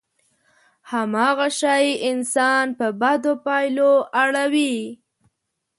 هماغه شی انسان په بدو پايلو اړوي.